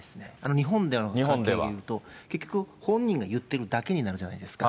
日本でははっきり言うと、結局本人が言ってるだけになるじゃないですか。